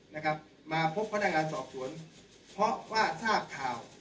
นะครับมาพบพนักงานสอบสวนเพราะว่าทราบข่าว